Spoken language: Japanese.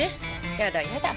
やだやだ。